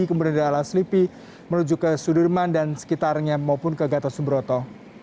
kemudian dari arah slipi menuju ke sudirman dan sekitarnya maupun ke gatuh suburoto